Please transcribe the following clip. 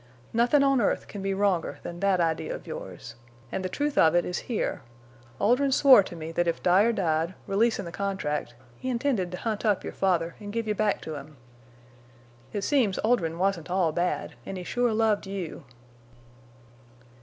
Nothin' on earth can be wronger than that idea of yours. An' the truth of it is here. Oldrin' swore to me that if Dyer died, releasin' the contract, he intended to hunt up your father an' give you back to him. It seems Oldrin' wasn't all bad, en' he sure loved you."